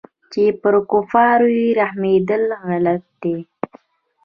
چې پر كفارو رحمېدل غلط دي.